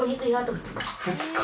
２日！？